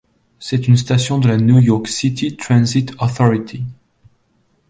C'est une station de la New York City Transit Authority.